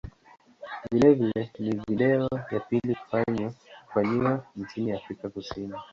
Vilevile ni video ya pili kufanyiwa nchini Afrika Kusini.